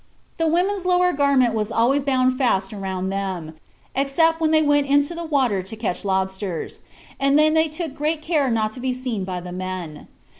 The women's lower garment was always bound fast round them, except when they went into the water to catch lobsters, and then they took great care not to be seen by the men.